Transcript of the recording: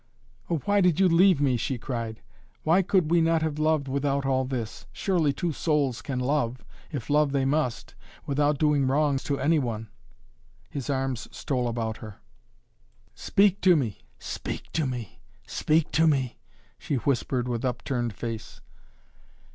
"Oh, why did you leave me?" she cried. "Why could we not have loved without all this? Surely two souls can love if love they must without doing wrong to any one." His arms stole about her. "Speak to me! Speak to me!" she whispered with upturned face.